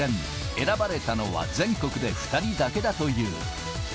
選ばれたのは、全国で２人だけだという。